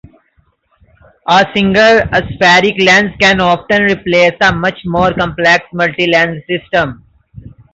A single aspheric lens can often replace a much more complex multi-lens system.